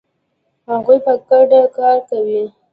هغوی په ګډه کار کاوه.